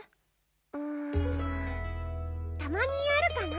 うんたまにあるかな。